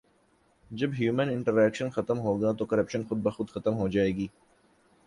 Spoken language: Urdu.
جب ہیومن انٹریکشن ختم ہوگا تو کرپشن خودبخود ختم ہو جائے گی